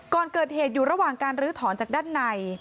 ก่อนเกิดเหตุอยู่ระหว่างการลื้อถอนจากด้านใน